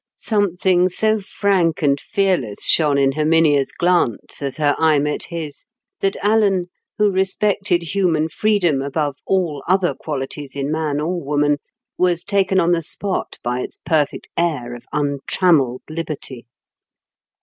Something so frank and fearless shone in Herminia's glance, as her eye met his, that Alan, who respected human freedom above all other qualities in man or woman, was taken on the spot by its perfect air of untrammelled liberty.